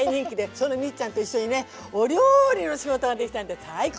そのミッちゃんと一緒にねお料理の仕事ができたんで最高！